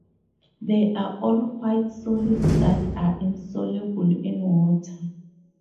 They are all white solids that are insoluble in water.